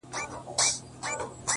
د ښكلي سولي يوه غوښتنه وكړو-